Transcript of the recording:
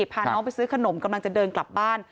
พาน้องไปซื้อขนมกำลังจะเดินกลับบ้าน